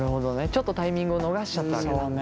ちょっとタイミングを逃しちゃったわけだ。